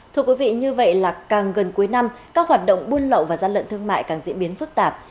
thưa quý vị như vậy là càng gần cuối năm các hoạt động buôn lậu và gian lận thương mại càng diễn biến phức tạp